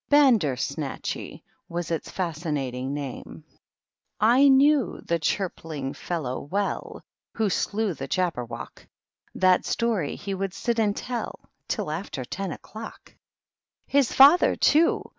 ^^ Bander snatchy^^ was its fascinating name :"/ knew the chirpling fellow well Who slew the Jabberwock ; That story he would sit and tell Till after ten o^ clock. THE MOCK TURTLE. 231 His father y too